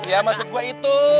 ya masuk gue itu